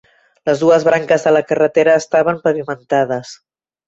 Les dues branques de la carretera estaven pavimentades.